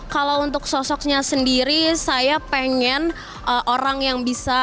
kalau untuk sosoknya sendiri saya pengen orang yang bisa menyentuh juga anak muda karena menurut saya generasi muda saat ini